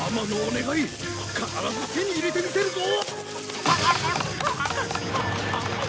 必ず手に入れてみせるぞ！